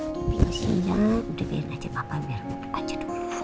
tapi maksudnya udah biarin aja papa biar muat aja dulu